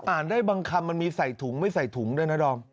อ่านได้บางคำมันมีใส่ถุงไม่ใส่ถุงด้วยนะดอม